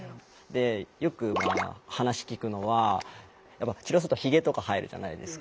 よく話聞くのは治療するとヒゲとか生えるじゃないですか。